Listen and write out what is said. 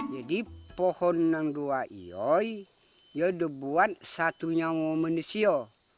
jadi pohon yang dua ini dia dibuat satu yang manusia